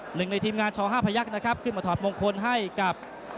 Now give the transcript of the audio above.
หนึ่งในทีมงานช๕พยักษ์นะครับขึ้นมาถอดมงคลให้กับ